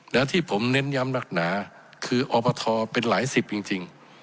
และที่ผมเน้นย้ำหนักหนาคืออบทเป็นหลายสิบจริง